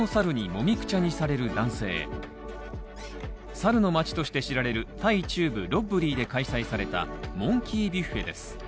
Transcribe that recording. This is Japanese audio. サルの街として知られるタイ中部のロップリーで開催されたモンキービュッフェ。